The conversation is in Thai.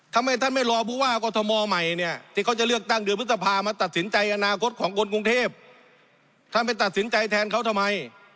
ทำไมท่านไม่รอผู้ว่ากอทมใหม่เนี่ยที่เขาจะเลือกตั้งเดือนพฤษภามาตัดสินใจอนาคตของคนกรุงเทพท่านไปตัดสินใจแทนเขาทำไม